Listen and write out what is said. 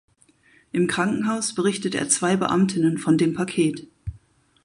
Im Krankenhaus berichtet er zwei Beamtinnen von dem Paket.